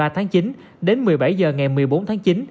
một mươi ba tháng chín đến một mươi bảy h ngày một mươi bốn tháng chín